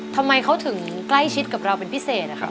ทำไมเค้าถึงใกล้ชิดกับเราเป็นพิเศษ